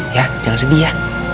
ya jangan sedih ya